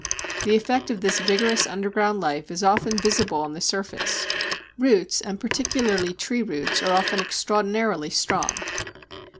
The effect of this vigorous underground life is often visible on the surface. Roots, and particularly tree roots, are often extraordinarily strong.